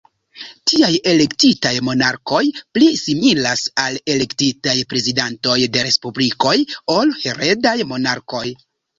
Tiaj elektitaj monarkoj pli similas al elektitaj prezidantoj de respublikoj ol heredaj monarkoj.